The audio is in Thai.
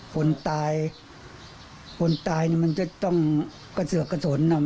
คนตายคนตายเนี่ยมันจะต้องกระเสือกกระสนอ่ะ